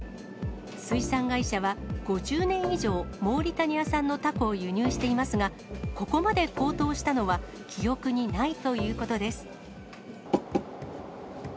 水産会社は、５０年以上、モーリタニア産のタコを輸入していますが、ここまで高騰したのは記憶にないということです。